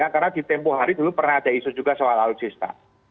karena di tempoh hari dulu pernah ada isu juga soal alutsista